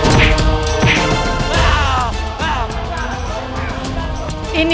kau tidak bisa mencari kursi ini